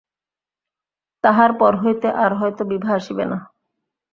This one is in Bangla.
– তাহার পর হইতে আর হয়তো বিভা আসিবে না।